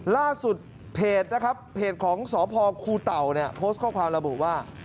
ล่าสุดเพจของสพคุเต่าโพสต์ข้อความระบุว่า